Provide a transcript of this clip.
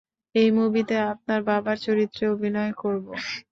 এই মুভিতে আপনার বাবার চরিত্রে অভিনয় করবো!